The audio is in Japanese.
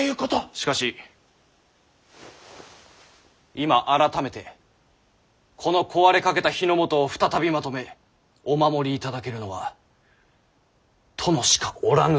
しかし今改めてこの壊れかけた日の本を再び纏めお守りいただけるのは殿しかおらぬと。